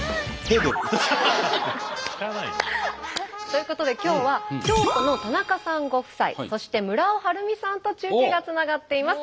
汚いなあ。ということで今日は京都の田中さんご夫妻そして村尾はるみさんと中継がつながっています。